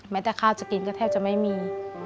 แต่ข้าวจะกินก็แทบจะไม่มี